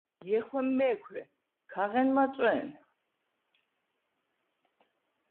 ჲეხვემ მე̄ქვე: ქა ღენ მაწვე̄ნ!